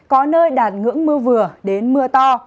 có nơi đạt ngưỡng mưa vừa đến mưa to